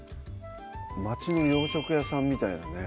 町の洋食屋さんみたいなね